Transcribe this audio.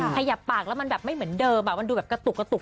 ขยับปากแล้วไม่เหมือนเดิมมันดูแบบกะตุกขึ้นไปแบบนี้